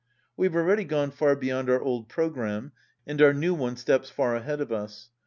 "We have already gone far beyond our old programme, and our new one steps far ahead of us.